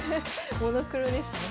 モノクロですね。